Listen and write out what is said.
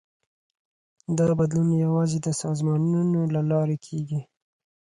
دا بدلون یوازې د سازمانونو له لارې کېږي.